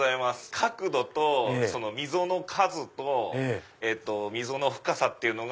角度と溝の数と溝の深さっていうのが。